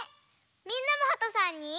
みんなもはとさんに。